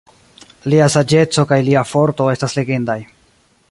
Lia saĝeco kaj lia forto estas legendaj.